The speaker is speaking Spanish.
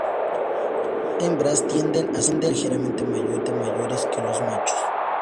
Las hembras tienden a ser ligeramente mayores que los machos.